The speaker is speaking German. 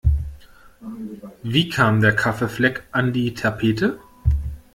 Wie kam der Kaffeefleck an die Tapete?